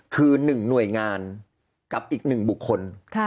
คือ๑หน่วยงานกับอีก๑บุคคล